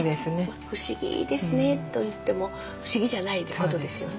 不思議ですねといっても不思議じゃないことですよね